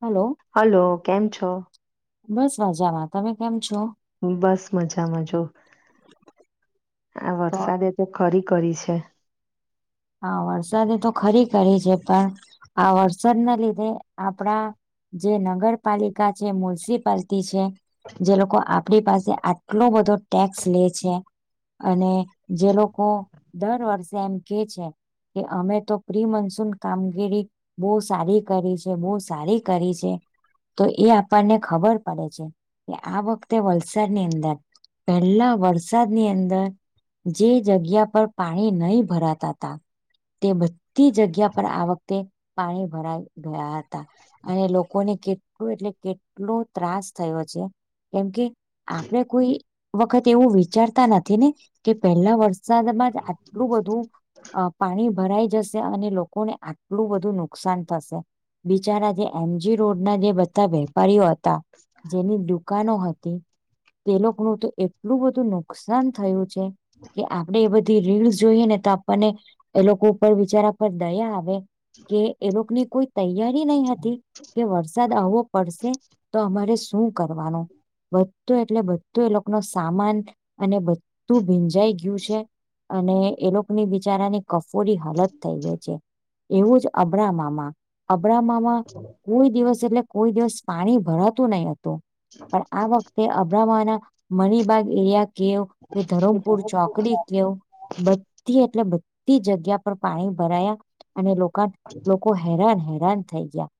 Hello hello કેમ છો? બસ મજા બસ મજામાં જોવ આ વરસાદે તો ખરી કરી છે હા વરસાદે તો ખરી કરી છે પણ આ વરસાદના લીધે આપડા જે નગરપાલિકા છે મ્યુનિસિપાલટી છે જે લોકો આપણી પાસે આટલો બધો ટેક્સ લે છે અને જે લોકો દર વર્ષે એમ કે છે કે અમે તો પ્રિ મનસૂન કામગીરી બોહ સારી કરી છે બોહ સારી કરી છે તો એ આપણને ખબર પડે છે કે આ વખતે વલસાડની અંદર પહેલા વરસાદની અંદર જે જગ્યા પર પાણી નહી ભરા તા તા તે બધી જગ્યા પર આ વખતે પાણી ભરાઈ ગયા હ તા અને લોકોને કેટલું એટલે કેટલુ ત્રાસ થયો છે કેમ કે આપડે કોઈ વખત એવું વિચારતા નથી ને કે પહેલા વર્ષ વરસાદ મા જ આટલું બધું અ પાણી ભરાઈ જશે અને લોકોને આટલું બધું નુકસાન થશે બિચારા જે એમજી રોડના જે બધા વેપારીઓ હતા જેની દુ દુકાનો હતી તે લોકોનું તો એટલું બધું નુકશાન થયું છે કે આપણેે એ બધી રીલ જોઈએ ને તો આ અને એ લોકો ઉપર બીચારા પર દયા આવે કે એ લોકોની કોઈ તૈયારી નહી હતી કે વરસાદ આવવો પડશે તો અમારે શું કરવાનો બધું એટલે બધો એ લોકોનો સામાન અને બધું ભીજ જાઈ ગિયું છે અને એ લોકોની બિચારાની કફોડી હાલત થઈ ગઈ છે એવું જ અબ્રામા માં અબ્રામા માં કોઈ દિવસ એટલે કોઈ દિવસ પાણી ભરાતું નહી હતું પણ આ વખ તે અબ્રમા ના મણિબાગ એરિયા કેવ કે ધરમપુર ચોકડી કેવ બધી એટલે બધી જગ્યા પર પાણી ભરાયા અને લોકા લો કો હેરાન હેરાન થઈ ગયા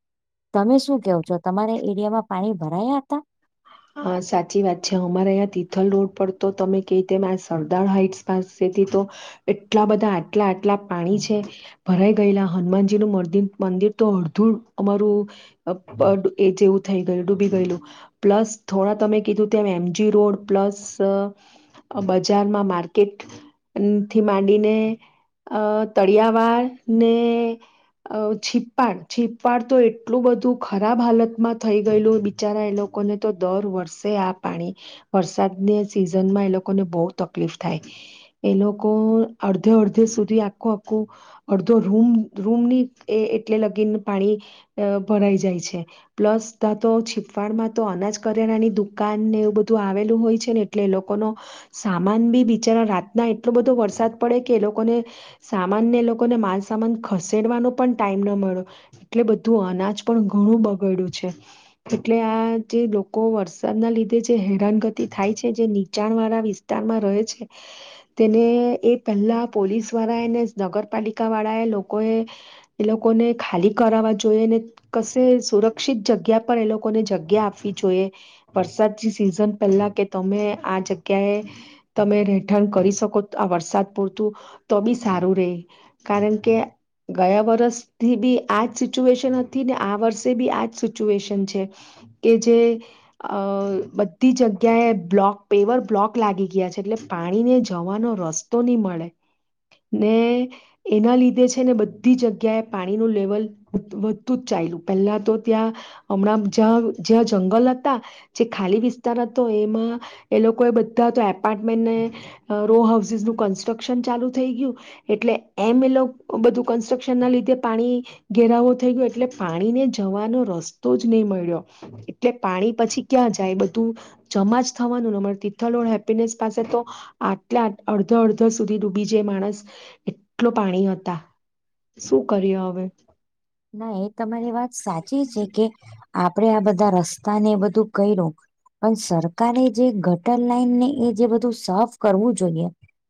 તમે શું કેવો છો તમારા એરિયામાં પાણી ભરાયા હતા હા સાચી વાત છે અમારે અહીં તિથલ રોડ પર તો તમે કે તેમ આ સરદાર હાઈટ્સ પાસેથી તો એટલા બધા આટલા આટલા પાણી છે ભરાઈ ગયેલા હનુમાનજીનું મન મંદિર તો અડધું અમારું અ પ એજ જેવું થઈ ગયું ડૂબી ગયેલું પ્લસ થોડા તમે કીધું તેમ એમજી રોડ પ્લસ અ અ બજારમાં માર્કેટથી માંડીને અ તળિયાવાળ ને અ છીપાડ છીપાડ તો એટલું બધું ખરાબ હાલતમાં થઈ ગયેલું બિચારા એ લો કોઈને તો દર વર્ષે આ પાણી વરસાદને સિઝનમાં એ લોકોને બો તકલીફ થાય. એ લોકો અડધે અડધે સુધી આખું આખું અડધો રૂમ રૂમની એ એટલે લગીન પાણી અહ ભરાઈ જાય છે પ્લસ ત્યાં તો છીપવાડમાં તો અનાજ કરિયાણાની દુકાન ને એવું બધું આવેલું હોય છે ને એટલે એ લોકો નો સામાન બી બિચારા રાતના એટલો બધો વરસાદ પડે કે એ લોકોને સામાનને એ લોકોને માલ સામાન ખસેડવાનો પણ ટાઈમ ના મળ્યો. એટલે બધું અનાજ પણ ઘણું બગાડ્યું છે એટલે આ જે લોકો વરસાદ ના લીધે જે હેરાનગતિ થાય છે જે નીચાણ વાળા વિસ્તારમાં રહે છે. તેને એ પેહલા પોલીસ વાળાને નગરપાલિકા વાળા એ લોકો એ એ લોકોને ખાલી કરાવવા જોઈએ ને કશે સુરક્ષિત જગ્યા પર એ લોકોને જગ્યા આપવી આપવી જોઈએ વરસાદ સિઝન પહેલા કે તમે આ જગ્યાએ તમે રહેઠાણ કરી શકો આ વરસાદ પૂરતું તો બી સારું રે કારણકે ગયા વર્ષથી બી આજ સિચ્યુએશન હતી ને આ વર્ષે બી આજ સિચ્યુએશન છે. કે જે અહ બધી જગ્યાએ બ્લોક, પેવર બ્લોક લાગી ગયા છે એટલે પાણીને જવાનો રસ તો ની મળે ને એના લીધે છે ને બધી જગ્યાએ પાણીનું લેવલ વધતું જ ચાલ્યું પેલા તો ત્યાં હમણાં જ્યાં જ્યાં જંગલ હતા જે ખાલી વિસ્તાર હતો એમાં એ લોકો એ બધા તો એપાર્ટમેન્ટને રોહાઉસીસ નું કનટ્રકસન ચાલુ થઈ ગયું એટલે એમ એ લોકો બધું કન્સ્ટ્રક્શનના લીધે પાણી ઘેરાવો થઈ ગયો એટલે પાણીને જવાનો રસ્તો જ ની મળ્યો. એટલે પાણી પછી ક્યાં જાય બધું જમા જ થવાનુંને અમારે તિથલો હેપ્પીનેસ પાસે તો આટલા અડધો અડધો સુધી ડૂબી જાય માણસ, એટલો પાણી હતા શું કરીએ હવે? ના એ તમારી વાત સાચી છે કે આપડે આ બધા રસ્તા ને એ બધું કર્યું પણ સરકારે જે ગટર લાઈન ને એ બધું સાફ કરવું જોઈએ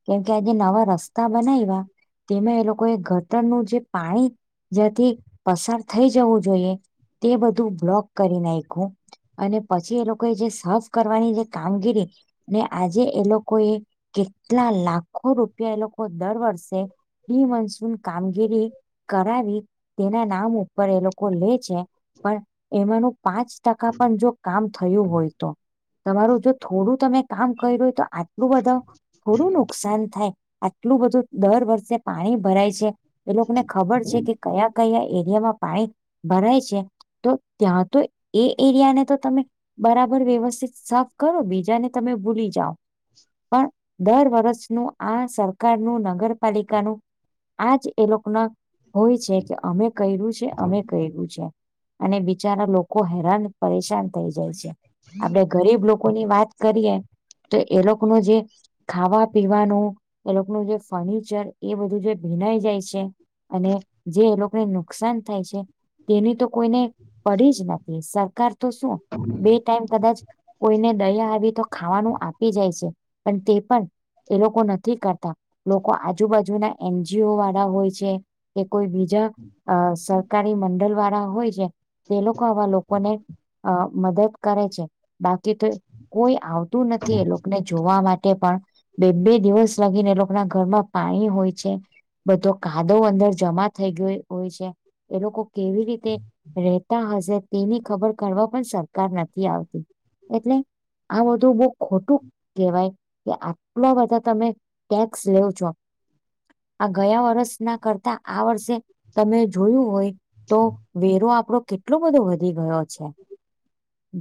કેમકે આજે નવા રસ્તા બનાવ્યા તેમાં એ લોકો એ ગટરનું જે પાણી જ્યાંથી પસાર થઈ જવું જોઈએ તે બધું બ્લોક કરી નાખ્યું. અને પછી એ લોકો જે સાફ કરવાની જે કામગીરી ને આજે એ લોકો એ કેટલા લાખો રૂપિયા એ લોકો દર વર્ષે પ્રિ મોન્સુન કામગીરી કરાવી તેના નામ ઉપર એ લોકો લે છે પણ એમાંનું પાંચ ટકા પણ જો કામ થયું હોય તો, તમારું જો થોડું તમે કામ કર્યું હોય તો આટલું બધો થોડું નુકસાન થાય, આટલું બધું દર વર્ષે પાણી ભરાય છે. એ લોકોને ખબર છે કે કયા કયા એરિયામાં પાણી ભરાય છે. તો ત્યાં તો એ એરિયા ને તો તમે બરાબર વ્યવસ્થિત સાફ કરો બીજાને તમે ભૂલી જાઓ. પણ દર વર્ષ નું આ સરકારનું નગરપાલિકાનું આજ એ લોકો ના હોય છે કે અમે કર્યું છે, અમે કર્યું છે. અને બિચારા લોકો હેરાન પરેશાન થઈ જાય છે આપડે ગરીબ લોકોની વાત કરીએ તો એ લોકોનો જે ખાવા પીવાનો એ લોકોનું જે ફર્નિચર એ બધું જે ભીનાઈ જાય છે અને જે એ લોકોને નુકસાન થાય છે. તેની તો કોઈને પડી જ નથી, સરકાર તો શું બે ટાઈમ કદાચ કોઈને દયા આવી તો ખાવાનું આપી જાય છે પણ તે પણ એ લોકો નથી કરતા લોકો આજુબાજુ ના એન જી ઓ વાળા હોય છે કે કોઈ બીજા અ સરકારી મંડલ વાળા હોય છે. તે લોકો આવા લોકોને અ મદદ કરે છે બાકી તો કોઈ આવતું નથી એ લોકોને જોવા માટે પણ બે બે દિવસ લાગીને એ લોકો ના ઘરમાં પાણી હોય છે. બધો કાદો અંદર જમા થઈ ગયો હોય છે એ લોકો કેવી રીતે રહેતા હશે તેની ખબર કરવા પણ સરકાર નથી આવતી એટલે આ બધું બઉ ખોટું કેહેવાય કે આટલા બધા તમે ટેક્સ લવ છો. આ ગયા વર્ષના કરતા આ વર્ષે તમે જોયું હોય તો વેરો આપણો કેટલો વધી ગયો છે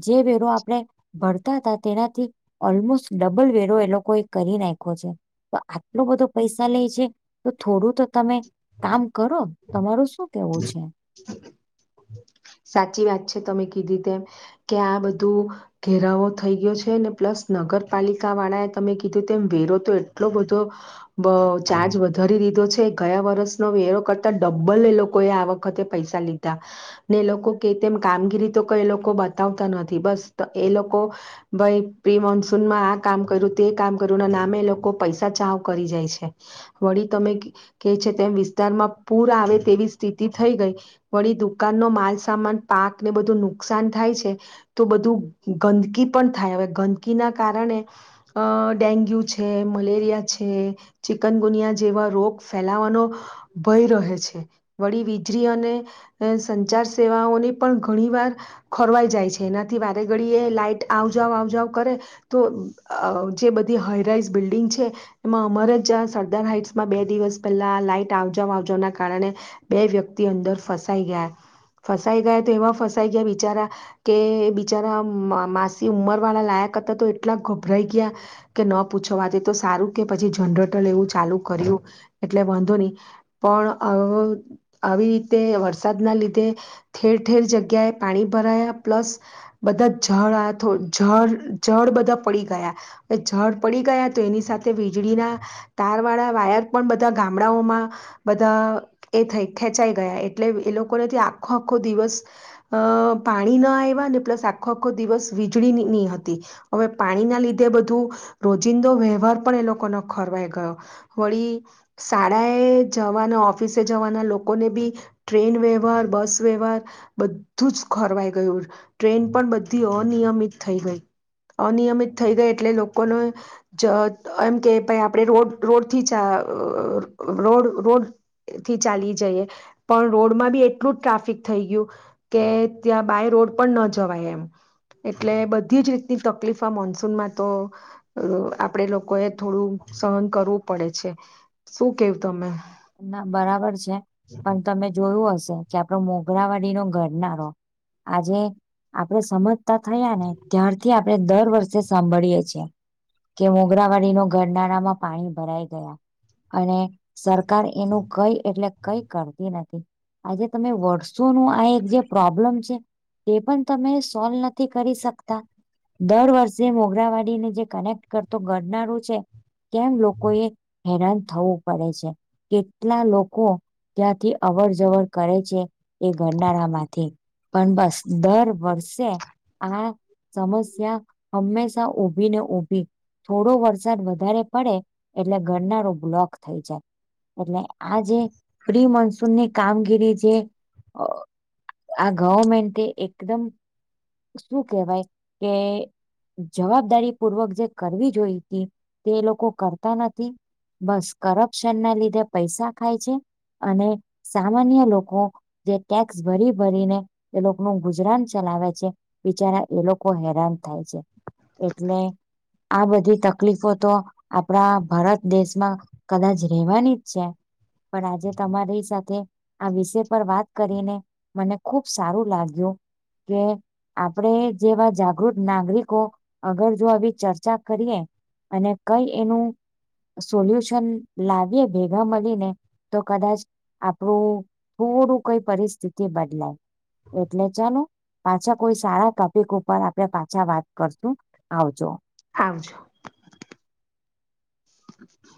જે વેરો [unintelligible] ઓલમોસ્ટ ડબલ વેરો એ લોકોએ કરી નાખ્યો છે. તો આટલો બધો પૈસા લે છે તો થોડું તો તમે કામ કરો તમાર શું કેવું છે? સાચી વાત છે તમે કીધી તેમ કે આ બધું ઘેરાવો થઈ ગયો છે ને પ્લસ નગરપાલિકા વાળાએ તમે કીધું તેમ વેરો તો એટલો બધો બ ચાર્જ વધારી દીધો છે ગયા વર્ષનો વેરો કરતા ડબ્બલ એ લોકો કોએ આ વખતે પૈસા લીધા. ને એ લોકો કે તેમ કામગીરી તો ક એ લોકો બતાવતા નથી બસ એ લોકો ભાઈ પ્રી મોન્સૂનમાં આ કામ તે કામ કર્યું ના નામે લોકો પૈસા ચાવ કરી જાય છે. વળી તમે કે છે તેમ વિસ્તારમાં પૂર આવે તેવી સ્થિતિ થઈ ગઈ દુકાન ન માલસામાન પાકને બધું નુકસાન થાય છે તો બધું ગંદકી પણ થાય હવે ગંદકીના કારણે અ ડેન્ગ્યુ છે, મલેરિયા છે ચિકનગુનિયા જેવા રોગ ફેલાવાનો ભય રહે છે. વળી વીજળી અને સંચાર સેવાઓને પણ ઘણીવાર ખોરવાઈ જાય છે. એનાથી વારે ઘડી એ લાઈટ આવજાવ આવજાવ કરે. તો અ જે બધી હાઈરાઈઝ બિલ્ડિંગ છે. એમાં અમાર જ સરદાર હાઈટ્સમાં બે દિવસ પહેલા લાઈટ આવજા આવજવાના કારણે બે વ્યક્તિ અંદર ફસાઈ ગયા, ફસાઈ ગયા તો એવા ફસાઈ ગયા બિચારા કે બિચારા મા માસી ઉમર વાળા લાયક હતા તો એટલા ગભરાઈ ગયા. કે ન પૂછવાથી તો સારું કે પછી જનરેટર એવું ચાલુ કર્યું એટલે વાંધો નહી. પણ આવું આવી રીતે વરસાદના લીધે ઠેર ઠેર જગ્યાએ પાણી ભરાયા પ્લસ બધા જળ આ તો જળ જળ બધા પડી ગયા. પછ જળ પડી ગયા તો એની સાથે વીજળીના તાર વાળા વાયર પણ બધા ગામડાઓમાં બધા એ થઈ ખેંચાઈ ગયા એટલે એ લોકોને આખો આખો દિવસ અ પાણી ન આવ્યા ને પ્લસ આખો આખો દિવસ વીજળી નહી હતી. હવે પાણીના લીધે બધું રોજિંદો વ્યવહાર પણ એ લોકોનો ખોરવાઈ ગયો. વળી શાળાએ જવાના ઓફિસે જવાના લોકો લોકોને બી ટ્રેન વ્યવહાર બસ વ્યવહાર બધું જ ખોરવાઈ ગયું. ટ્રેન પણ બધી અનિયમિત થઈ ગઈ અનિયમિત થઈ ગઈ એટલે લોકોને જ એમ કે ભાઈ આપણે રોડ રોડથી ચ અ રોડ રોડ થી ચાલી જઈએ પણ રોડમાં બી એટલું જ ટ્રાફિક થઈ ગયું. કે ત્યાં બાય રોડ પણ ન જવાય એમ. એટલે બધી જ રીતની તકલીફ આ મોન્સુન તો અ આપડે લોકો એ થોડું સહન કરવું પડે છે શું કેવું તમે. ના, બરાબર છે. પણ તમે જોયું હશે કે આપડો મોગરાવાડી નો ઘરનારો આજે આપડે સમજતા થયા ને ત્યારથી થી આપણે દર વર્ષે સાંભળીએ છીએ. કે મોગરાવાળીનો ગરનાળામાં પાણી ભરાઈ ગયા. અને સરકાર એનું કઈ એટલે કઈ કરતી નથી. આજે તમે વર્ષોનુ આ એક જે પ્રોબ્લમ છે. તે પણ તમે સોલ્વ નથી કરી શકતા. દર વર્ષે મોગરાવાડી ને જે કનેક્ટ કરતો ઘડનારું છે. કેમ લોકો એ હેરાન થવું પડે છે કેટલા લોકો ત્યાંથી અવર જવર કરે છે એ ગરનાળા માંથી. પણ બસ દર વર્ષે આ સમસ્યા હંમેશા ઉભી ને ઉભી થોડો વરસાદ વધારે પડે એટલે ગરનારો બ્લોક થઈ જાય. એટલે આ જે પ્રિ મોન્સૂનની કામગીરી જે આ ગવર્મેન્ટ એકદમ શું કેવાય કે જવાબદારી પૂર્વક જે કરવી જોઈ હતી તે એ લોકો કરતા નથી. બસ કરપ્શન ના લીધે પૈસા ખાય છે અને સામાન્ય લોકો જે ટેક્સ ભરી ભરીને એ લોકોનું ગુજરાન ચલાવે છે. બિચારા લોકો હેરાન થાય છે. એટલે આ બધી તકલીફો તો આપણા ભારત દેશ માં કદાચ રેવાની જ છે પણ આજે તમારી સાથે આ વિષય પર વાત કરીને મને ખુબ સારું લાગ્યું કે આપડે જેવા જાગૃત નાગરિકો અગર જો આવી ચર્ચા કરીએ. અને કઈ એનું સોલ્યુશન લાવીએ ભેગા મળીને તો કદાચ આપણું થોડું કઈ પરિસ્થિતિ બદલાય એટલે ચાલો. પાછા કોઈ સારા ટોપિક ઉપર આપડે પાછા વાત કરશું આવજો. આવજો. [inaudible]